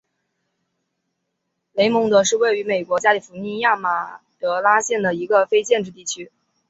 雷蒙德是位于美国加利福尼亚州马德拉县的一个非建制地区。